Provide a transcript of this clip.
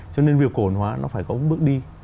cho nên việc cổ hồn hóa nó phải có một bước đi